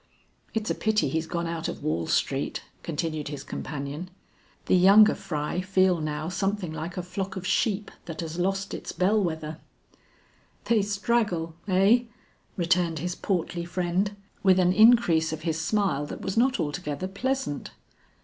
"It's a pity he's gone out of Wall Street," continued his companion. "The younger fry feel now something like a flock of sheep that has lost its bell wether." "They straggle eh?" returned his portly friend with an increase of his smile that was not altogether pleasant.